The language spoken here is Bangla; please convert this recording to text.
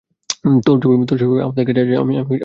তোর ছবি আমার কাছে আছে, আমি পুলিশে যাব।